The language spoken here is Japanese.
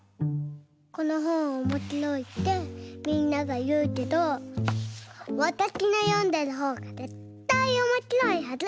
このほんおもしろいってみんながいうけどわたしのよんでるほうがぜったいおもしろいはず！